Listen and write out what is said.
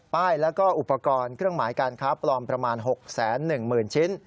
ป้ายแล้วก็อุปกรณ์เครื่องหมายการค้าปลอมประมาณ๖๑๐๐๐ชิ้น